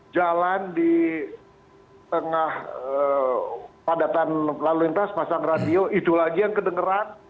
jalan di tengah padatan lalu lintas pasang radio itu lagi yang kedengeran